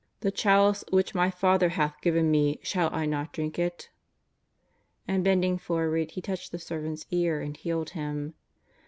The chalice which My Father hath given Me, shall I not drink it ?" And bending forward, He touched the servant's ear and healed him.